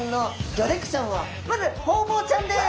まずホウボウちゃんです！